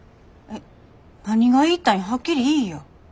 何が言いたいんはっきり言いや。